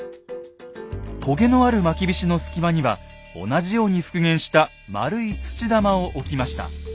とげのあるまきびしの隙間には同じように復元した丸い土玉を置きました。